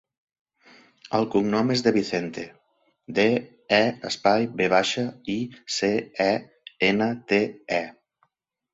El cognom és De Vicente: de, e, espai, ve baixa, i, ce, e, ena, te, e.